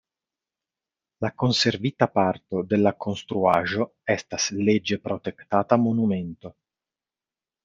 La konservita parto de la konstruaĵo estas leĝe protektata monumento.